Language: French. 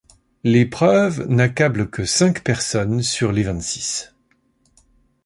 Les preuves n'accablent que cinq personnes sur les vingt-six.